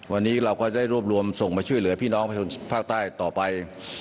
วันนี้เราก็ได้รวบรวมส่งมาช่วยเหลือพี่น้องประชาชนภาคใต้ต่อไป